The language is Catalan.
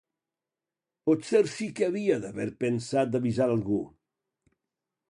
Potser sí que havia d'haver pensat d'avisar algú.